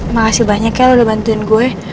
makasih banyak ya udah bantuin gue